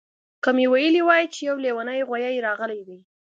که مې ویلي وای چې یو لیونی غوایي راغلی دی